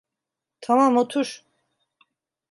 Tamam, otur.